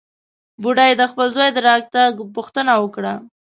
بوډۍ د خپل زوى د راتګ پوښتنه وکړه.